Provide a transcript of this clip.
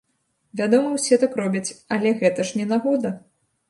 Вядома, усё так робяць, але гэта ж не нагода!